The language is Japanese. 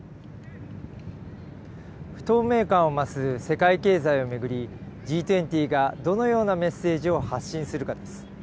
不透明感を増す世界経済を巡り、Ｇ２０がどのようなメッセージを発信するかです。